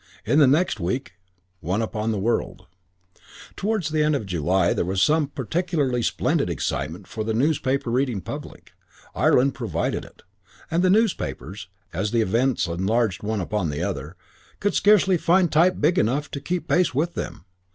In the next week one upon the world. CHAPTER III I Towards the end of July there was some particularly splendid excitement for the newspaper reading public. Ireland provided it; and the newspapers, as the events enlarged one upon the other, could scarcely find type big enough to keep pace with them.